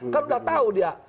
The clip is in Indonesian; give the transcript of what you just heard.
kan udah tahu dia